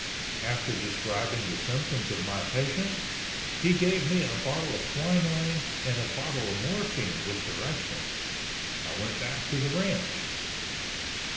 After describing the symptoms of my patient, he gave me a bottle of quinine and a bottle of morphine with directions. I went back to the ranch.